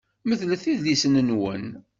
Medlet idlisen-nwen!